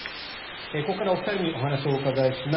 ここからお二人にお話をお伺いします。